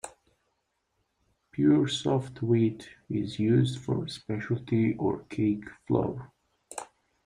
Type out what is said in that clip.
Pure soft wheat is used for specialty or cake flour.